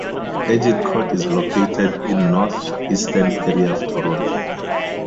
Agincourt is located in north-eastern area of Toronto.